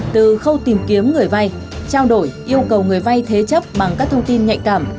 từ khâu tìm kiếm người vay trao đổi yêu cầu người vay thế chấp bằng các thông tin nhạy cảm